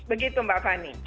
begitu mbak fani